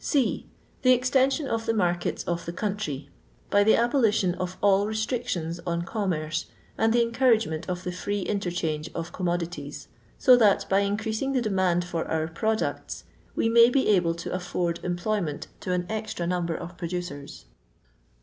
C. The extension qf the markets ^ the country; by the abolition of all restrictions on com merce, and the encouragement of the firee interchange of commodities, so that, by in creasing the demand for our products, wo may be able to a£fbrd employment to an extra number of producers.